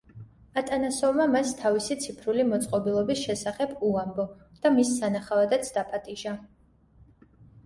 ატანასოვმა მას თავისი ციფრული მოწყობილობის შესახებ უამბო და მის სანახავადაც დაპატიჟა.